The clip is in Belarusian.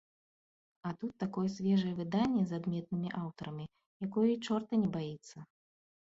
А тут такое свежае выданне з адметнымі аўтарамі, якое і чорта не баіцца.